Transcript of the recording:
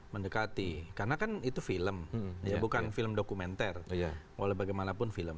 mendekati karena kan itu film bukan film dokumenter oleh bagaimanapun film